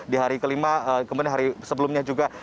di hari kelima kemudian hari sebelumnya juga